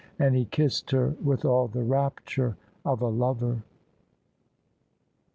And he kissed her with all the rapture of a lover.